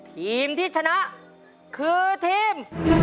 ทีมที่ชนะคือทีม